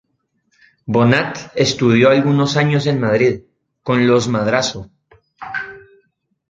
Bonnat estudió algunos años en Madrid, con los Madrazo.